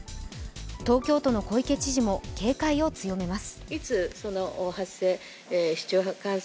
東京都の小池知事も警戒を強めます。